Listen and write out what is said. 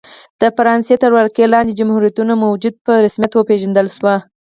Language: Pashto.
د فرانسې تر ولکې لاندې جمهوریتونو موجودیت په رسمیت وپېژندل شو.